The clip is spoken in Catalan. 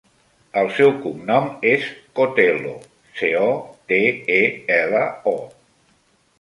El seu cognom és Cotelo: ce, o, te, e, ela, o.